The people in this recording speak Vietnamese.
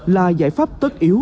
là giải pháp tất yếu